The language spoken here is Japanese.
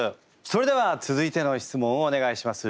それでは続いての質問をお願いします。